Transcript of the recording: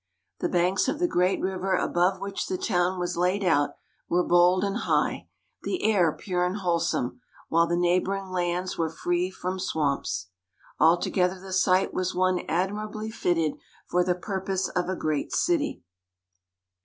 The banks of the great river above which the town was laid out were bold and high, the air pure and wholesome, while the neighbouring lands were free from swamps. Altogether the site was one admirably fitted for the purpose of a great city.